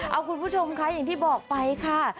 เอาคุณผู้ชมค่ะอย่างที่บอกไปค่ะ